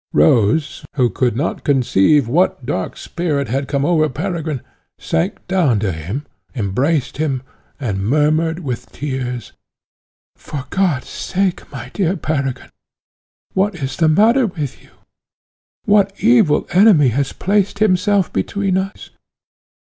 Rose, who could not conceive what dark spirit had come over Peregrine, sank down to him, embraced him, and murmured with tears, "For God's sake, my dear Peregrine, what is the matter with you? What evil enemy has placed himself between us?